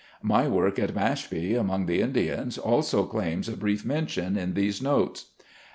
My work at Mashpee, among the Indians, also claims a brief mention in these notes.